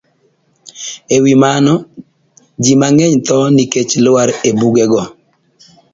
E wi mano, ji mang'eny tho nikech lwar e bugego